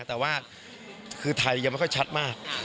แต่ว่าคือไทยยังไม่ค่อยชัดมาก